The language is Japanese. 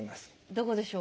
どこでしょう？